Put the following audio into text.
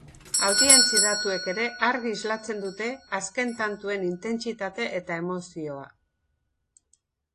Audientzi datuek ere argi islatzen du azken tantuen intentsitate eta emozioa.